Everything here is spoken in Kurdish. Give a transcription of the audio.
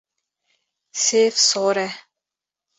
Sêv sor e.